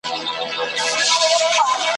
وایم بخت مي تور دی لکه توره شپه `